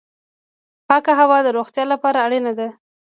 پاکه هوا د روغتیا لپاره اړینه ده